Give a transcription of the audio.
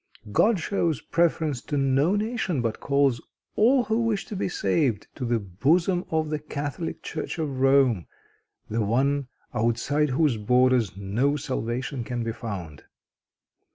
God shows preference to no nation, but calls all who wish to be saved to the bosom of the Catholic Church of Rome, the one outside whose borders no salvation can be found."